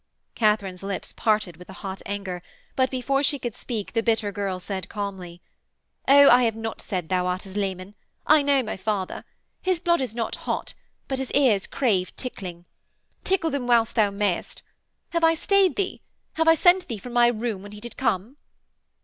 Katharine's lips parted with a hot anger, but before she could speak the bitter girl said calmly: 'Oh, I have not said thou art his leman. I know my father. His blood is not hot but his ears crave tickling. Tickle them whilst thou mayest. Have I stayed thee? Have I sent thee from my room when he did come?'